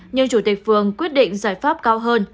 nhưng chủ tịch phường quyết định giải pháp cao hơn